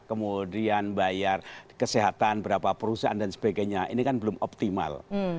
kemudian bayar kesehatan berapa perusahaan dan sebagainya ini kan belum optimal